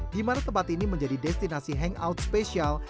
di mana tempat ini menjadi destinasi hangout spesial